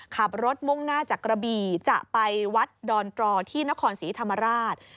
ขับรถมุ่งหน้าจากกระบี่จะไปวัดดอนตรอที่นครศรีธรรมราช